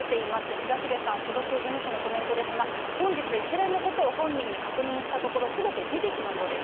東出さん所属事務所のコメントですが、本日、一連のことを本人に確認したところ、すべて事実のようです。